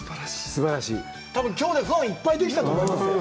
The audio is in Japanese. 多分きょうでファンいっぱいできたと思いますよ。